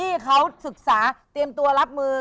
ที่เขาศึกษาเตรียมตัวรับมือ